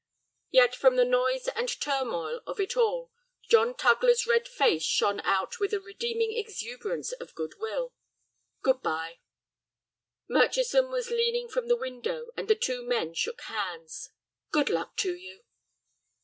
Yet from the noise and turmoil of it all, John Tugler's red face shone out with a redeeming exuberance of good will. "Good bye." Murchison was leaning from the window, and the two men shook hands. "Good luck to you."